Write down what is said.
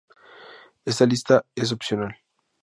Esta lista es opcional.